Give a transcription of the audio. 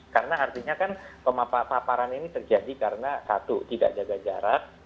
karena artinya kan pemaparan ini terjadi karena katu tidak jaga jarak